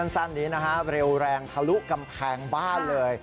สั้นนี้นะฮะเร็วแรงทะลุกำแพงบ้านเลย